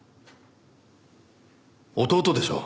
弟でしょ？